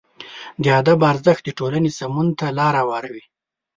د ادب ارزښت د ټولنې سمون ته لاره هواروي.